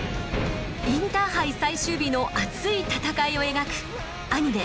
インターハイ最終日の熱い戦いを描くアニメ